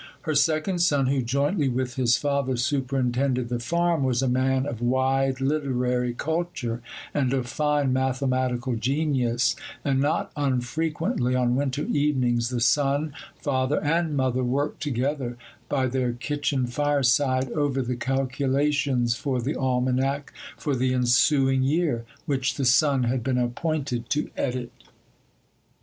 Her second son, who jointly with his father superintended the farm, was a man of wide literary culture and of fine mathematical genius; and not unfrequently, on winter evenings, the son, father, and mother worked together, by their kitchen fireside, over the calculations for the almanac for the ensuing year, which the son had been appointed to edit.